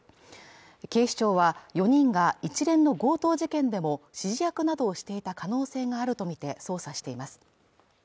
警視庁は４人が一連の強盗事件でも指示役などをしていた可能性があるとみて捜査しています